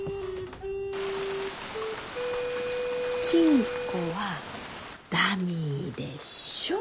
金庫はダミーでしょ。